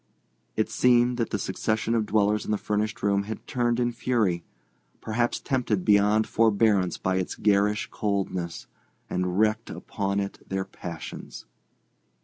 It seemed that the succession of dwellers in the furnished room had turned in fury—perhaps tempted beyond forbearance by its garish coldness—and wreaked upon it their passions.